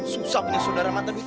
susah ini saudara mata duit